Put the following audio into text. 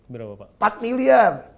berapa pak empat miliar